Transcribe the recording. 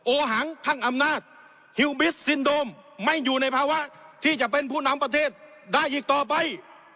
หังพังอำนาจฮิลบิสซินโดมไม่อยู่ในภาวะที่จะเป็นผู้นำประเทศได้อีกต่อไป